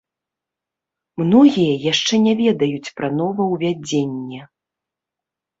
Многія яшчэ не ведаюць пра новаўвядзенне.